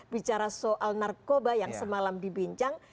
bicara soal narkoba yang semalam dibincang